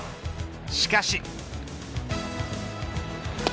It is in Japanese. しかし。